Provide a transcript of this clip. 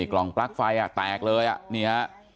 กล่องปรักฦ์ไฟอ่ะแตกเลย